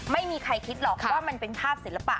ไม่มีใครคิดหรอกว่ามันเป็นภาพศิลปะ